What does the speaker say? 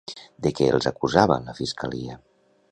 De què els acusava la Fiscalia?